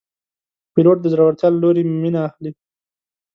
پیلوټ د زړورتیا له لورې مینه اخلي.